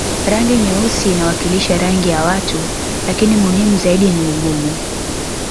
Rangi nyeusi inawakilisha rangi ya watu lakini muhimu zaidi ni ugumu